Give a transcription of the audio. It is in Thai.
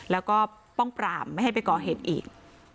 แล้วก็ป้องปรามไม่ให้ไปก่อเหตุอีก